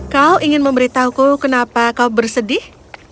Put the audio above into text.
kau ingin memberitahuku kenapa kau bersedih